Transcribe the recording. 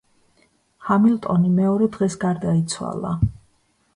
ჰამილტონი მეორე დღეს გარდაიცვალა.